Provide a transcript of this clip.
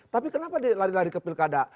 tapi kenapa dia lari lari ke pilkada